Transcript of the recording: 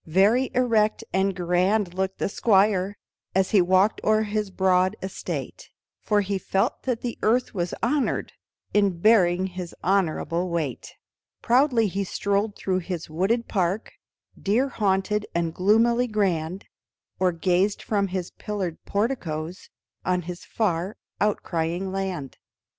Very erect and grand looked the Squire As he walked o'er his broad estate, For he felt that the earth was honored In bearing his honorable weight; Proudly he strolled through his wooded park Deer haunted and gloomily grand, Or gazed from his pillared porticoes On his far outlying land.